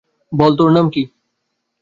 বল তোর নাম কি?